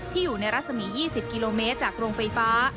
อยู่ในรัศมี๒๐กิโลเมตรจากโรงไฟฟ้า